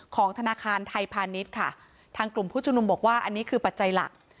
ของธนาคารไทยพาณิชย์ค่ะทางกลุ่มผู้ชุมนุมบอกว่าอันนี้คือปัจจัยหลัก